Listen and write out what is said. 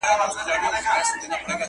جانان ته تر منزله رسېدل خو تکل غواړي؛